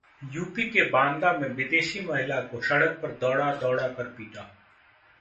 UP के बांदा में विदेशी महिला को सड़क पर दौड़ा-दौड़ा कर पीटा